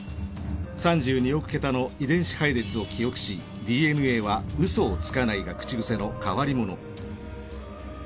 ３２億桁の遺伝子配列を記憶し「ＤＮＡは嘘をつかない」が口癖の変わり者。